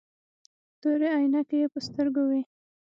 تورې عينکې يې په سترګو وې.